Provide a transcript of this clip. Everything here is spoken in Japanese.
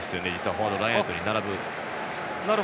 フォワード、ラインアウトに並ぶ。